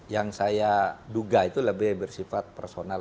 yang saya duga itu lebih bersifat personal